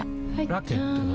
ラケットは？